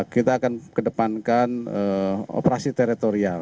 kita akan kedepankan operasi teritorial